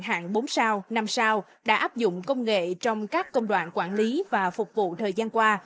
hạng bốn sao năm sao đã áp dụng công nghệ trong các công đoạn quản lý và phục vụ thời gian qua